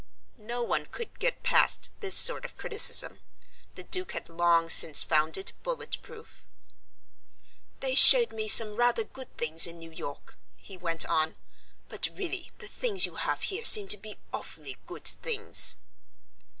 No one could get past this sort of criticism. The Duke had long since found it bullet proof. "They showed me some rather good things in New York," he went on, "but really the things you have here seem to be awfully good things."